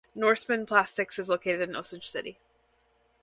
Norseman Plastics is located in Osage City.